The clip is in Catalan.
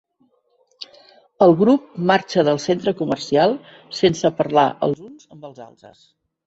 El grup marxa del centre comercial sense parlar els uns amb els altres.